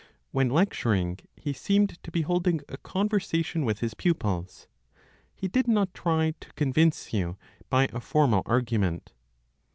When lecturing, he seemed to be holding a conversation with his pupils. He did not try to convince you by a formal argument.